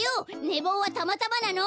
ねぼうはたまたまなの！